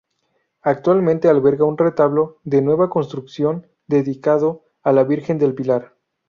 Actualmente alberga un retablo de nueva construcción dedicado a la Virgen del Pilar.